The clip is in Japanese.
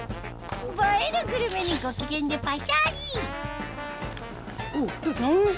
映えなグルメにご機嫌でパシャリどうですか？